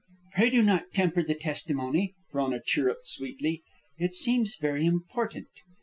"Pray do not temper the testimony," Frona chirruped, sweetly. "It seems very important."